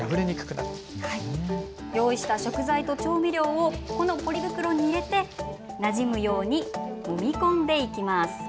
用意した食材と調味料をこのポリ袋に入れてなじむようにもみ込んでいきます。